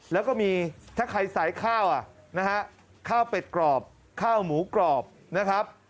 แล้วก็มีถ้าใครใส่ข้าวนะฮะข้าวเป็ดกรอบข้าวหมูกรอบนะครับ